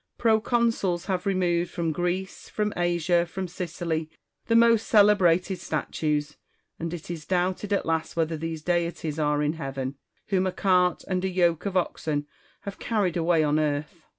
Proconsuls have removed from Greece, from Asia, from Sicily, the most celebrated statues ; and it is doubted at last whether those deities are in heaven, whom a cart and a yoke of oxen have carried away on earth.